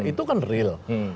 itu kan real